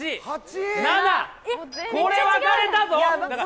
８８７これ分かれたぞ